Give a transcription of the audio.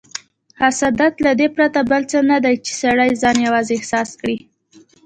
حسادت له دې پرته بل څه نه دی، چې سړی ځان یوازې احساس کړي.